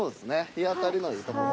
日当たりのいいところ。